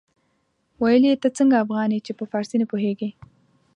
ويل يې ته څنګه افغان يې چې په فارسي نه پوهېږې.